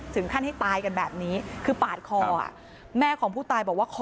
ให้ตายกันแบบนี้คือปาดคอแม่ของผู้ตายบอกว่าคอ